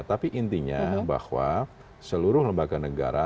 tapi intinya bahwa seluruh lembaga negara